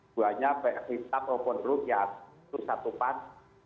buatnya baik kita ataupun rujak itu satu pas